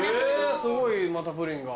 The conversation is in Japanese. すごいまたプリンが。